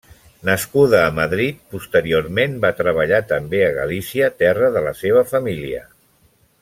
Nascuda a Madrid, posteriorment va treballar també a Galícia, terra de la seva família.